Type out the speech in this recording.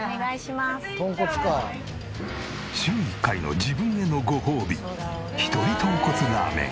週１回の自分へのご褒美１人豚骨ラーメン。